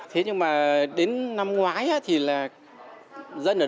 thế nhưng mà đến năm ngoái thì là dân ở đây cũng thấy